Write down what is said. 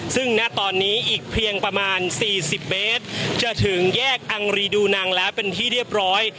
ซึ่งณตอนนี้อีกเพียงประมาณ๔๐เมตรจะถึงแยกอังรีดูนังแล้วเป็นที่เรียบร้อย